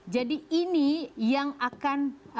jadi ini yang akan